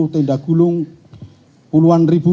tenda penduduk sepuluh